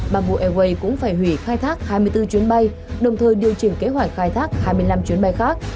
bamboo airways cũng phải hủy khai thác hai mươi bốn chuyến bay đồng thời điều chỉnh kế hoạch khai thác hai mươi năm chuyến bay khác